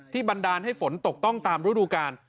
บันดาลให้ฝนตกต้องตามฤดูกาล